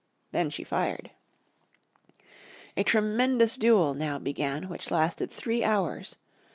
Then she fired. A tremendous duel now began which lasted three hours.